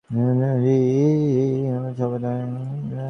আর এইরূপ বিস্ময়ই জ্ঞানালোক-প্রাপ্তির প্রথম সোপান।